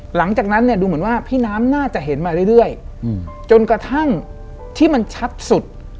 หลังจากนั้นเนี่ยดูเหมือนว่าพี่น้ำน่าจะเห็นมาเรื่อยจนกระทั่งที่มันชัดสุด